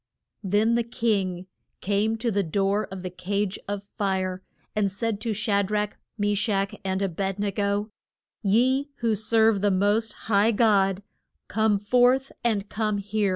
Then the king came to the door of the cage of fire and said to Sha drach, Me shach and A bed ne go, Ye who serve the most high God, come forth, and come here.